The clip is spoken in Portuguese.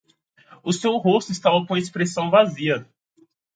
O seu rosto estava com uma expressão vazia.